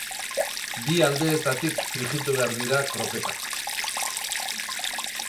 Bi aldeetatik frijitu behar dira kroketak.